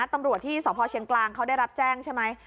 ตำรวจที่สพเชียงกลางเขาได้รับแจ้งใช่ไหม